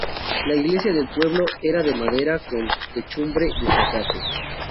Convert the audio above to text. La iglesia del pueblo era de madera con techumbre de zacate.